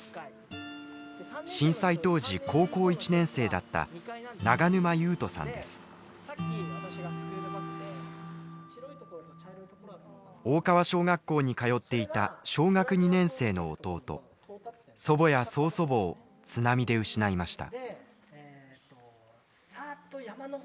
震災当時高校１年生だった大川小学校に通っていた小学２年生の弟祖母や曽祖母を津波で失いました。